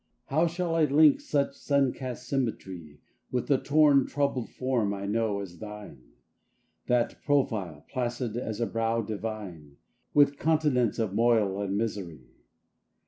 How shall I link such sun cast symmetry With the torn troubled form I know as thine, That profile, placid as a brow divine, With continents of moil and misery?